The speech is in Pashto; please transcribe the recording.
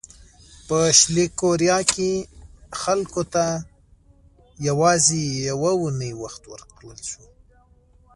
په شلي کوریا کې خلکو ته یوازې یوه اونۍ وخت ورکړل شو.